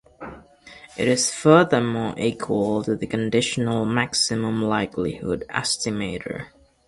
It is furthermore equal to the conditional maximum likelihood estimator.